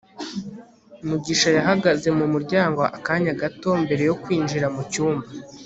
mugisha yahagaze mu muryango akanya gato mbere yo kwinjira mu cyumba